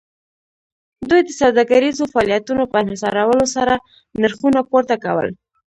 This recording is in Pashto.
دوی د سوداګریزو فعالیتونو په انحصارولو سره نرخونه پورته کول